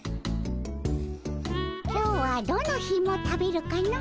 今日はどのひも食べるかの。